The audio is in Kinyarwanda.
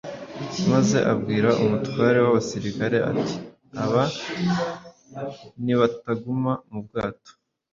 maze abwira umutware w’abasirikari ati, “Aba nibataguma mu bwato,